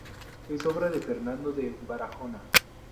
Es obra de Fernando de Barahona.